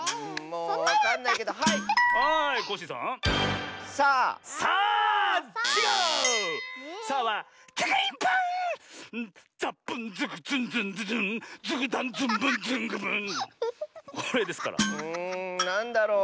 うんなんだろう？